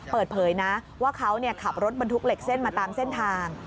เปิดเผยนะว่าเขาขับรถบรรทุกเหล็กเส้นมาตามเส้นทาง